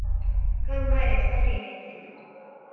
Kaɨmare sorirede.